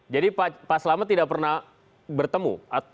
jadi pak selamet tidak pernah bertemu